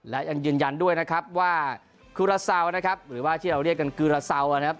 และยังยืนยันด้วยนะครับว่าคูราเซานะครับหรือว่าที่เราเรียกกันกุลาเซานะครับ